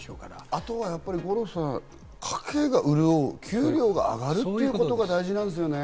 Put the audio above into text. あとは五郎さん、家計が潤う、給料が上がることが大事ですね。